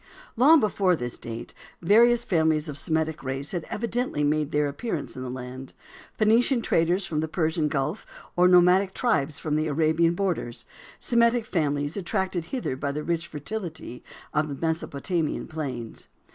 Long before this date various families of Semitic race had evidently made their appearance in the land; Phœnician traders from the Persian Gulf, or nomadic tribes from the Arabian borders, Semitic families, attracted hither by the rich fertility of the Mesopotamian plains.